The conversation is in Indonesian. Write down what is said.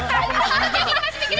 aduh wendy gimana sih